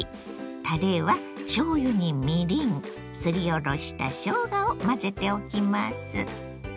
たれはしょうゆにみりんすりおろしたしょうがを混ぜておきます。